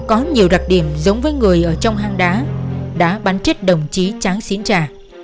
có nhiều đặc điểm giống với người ở trong hang đá đã bắn chết đồng chí tráng xín trà